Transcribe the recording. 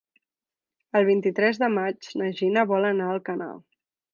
El vint-i-tres de maig na Gina vol anar a Alcanar.